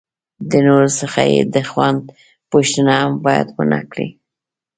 د نورو څخه یې د خوند پوښتنه هم باید ونه کړي.